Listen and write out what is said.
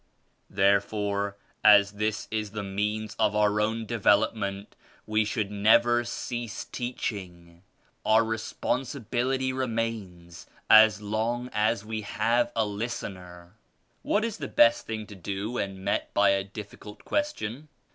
Therefore as this is the means o^ our own development we should never cease; teaching. Our responsibility remains as long as we have a listener." "What is the best thing to do when met by a. difficult question?"